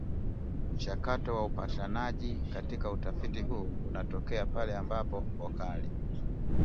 Mchakato wa ufupishaji katika utafiti huu unatokea pale ambapo vokali